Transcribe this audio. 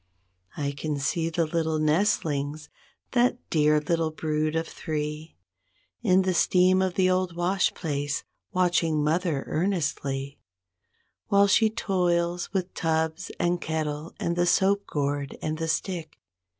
29 I can see the little nestlings, that dear little brood of three, In the steam of the old wash place, watching mother earnestly While she toils with "tubs and kettle and the soap gourd and the stick''.